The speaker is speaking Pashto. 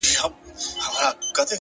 اخلاص د کردار ارزښت څرګندوي.!